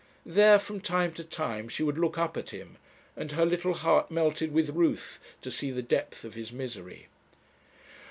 There, from time to time, she would look up at him, and her little heart melted with ruth to see the depth of his misery.